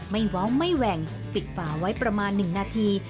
ว้าวไม่แหว่งปิดฝาไว้ประมาณ๑นาที